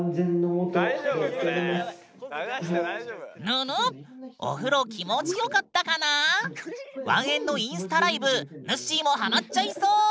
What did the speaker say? ぬぬお風呂気持ちよかったかな⁉ワンエンのインスタライブぬっしーもハマっちゃいそう！